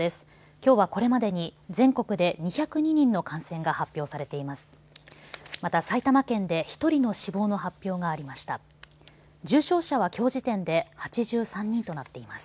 きょうはこれまでに全国で２０２人の感染が発表されています。